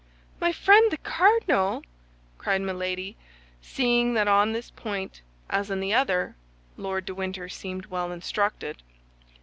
"My friend the cardinal!" cried Milady, seeing that on this point as on the other Lord de Winter seemed well instructed.